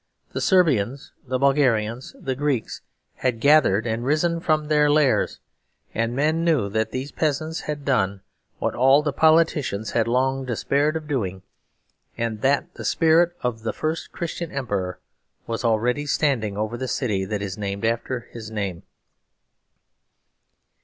The Serbians, the Bulgarians, the Greeks had gathered and risen from their lairs; and men knew that these peasants had done what all the politicians had long despaired of doing, and that the spirit of the first Christian Emperor was already standing over the city that is named after his name.